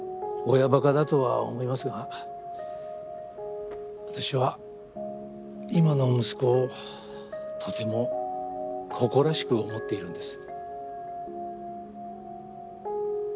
親ばかだとは思いますが私は今の息子をとても誇らしく思っているんです。